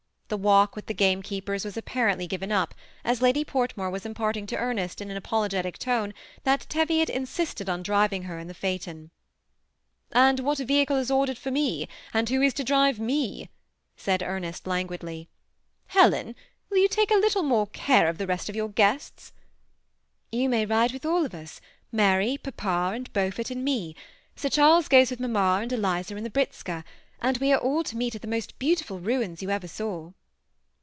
The walk with the gamekeepers was apparently given up, as Lady Portmore was imparting to Ernest 'in an apolo getic tone that Teviot insisted on driving her in the phaeton. ^* And what vehicle is ordered for me, and who is to drive me ?" said Ernest, languidly. " Helen, will you take a little more care of the rest* of your guests ?" "You may ride with all of us — Mary, papa, and Beaufort, and me. Sir Charles goes with mamma and Eliza in the britzka, and we are all to meet at the most beautiful ruins you ever saw."